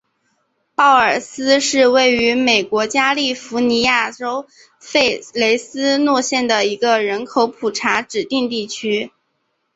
鲍尔斯是位于美国加利福尼亚州弗雷斯诺县的一个人口普查指定地区。